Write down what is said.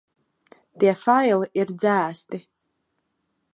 Tie faili ir dzēsti.